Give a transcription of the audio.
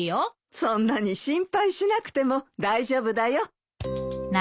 そんなに心配しなくても大丈夫だよ。